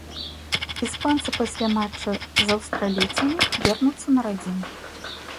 Іспанцы пасля матча з аўстралійцамі вернуцца на радзіму.